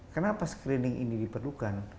kenapa screening ini diperlukan